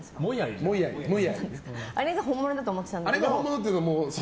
あれが本物だと思ってたんですけど。